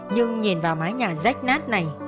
nhưng nhìn vào mái nhà rách nát này